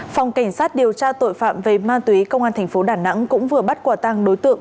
phòng cảnh sát điều tra tội phạm về ma túy công an thành phố đà nẵng cũng vừa bắt quả tăng đối tượng